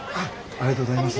ありがとうございます。